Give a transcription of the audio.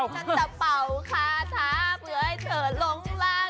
ฉันจะเป่าคาทาเผื่อให้เธอหลงรัก